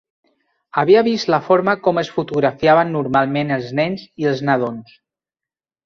Havia vist la forma com es fotografiaven normalment els nens i els nadons.